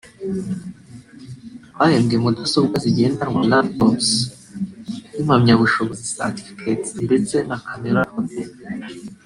bahembwemudasobwa zigendanwa ( Laptops) n’impamyabushobozi (certificate) ndetse na Camera photo